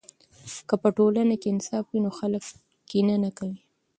که په ټولنه کې انصاف وي نو خلک کینه نه کوي.